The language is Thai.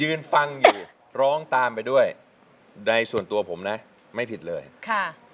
เหลือแต่หยดน้ำตา